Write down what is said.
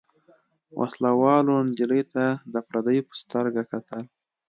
وسله والو نجلۍ ته د پردۍ په سترګه کتل.